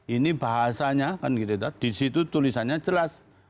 ini bahasanya kan gitu di situ tulisannya jelas